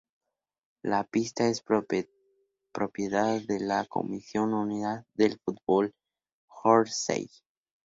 La pista es propiedad de la Comisión unida del Fútbol Guernsey.